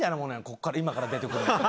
ここから今から出てくるのが。